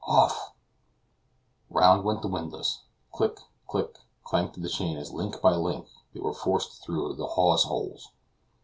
Off!" Round went the windlass; click, click, clanked the chains as link by link they were forced through the hawse holes.